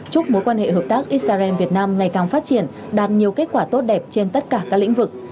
chúc mối quan hệ hợp tác israel việt nam ngày càng phát triển đạt nhiều kết quả tốt đẹp trên tất cả các lĩnh vực